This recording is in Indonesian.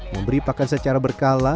memberi pakan secara berkala